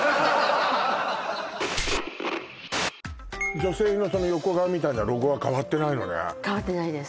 女性の横顔みたいなロゴは変わってないのね変わってないです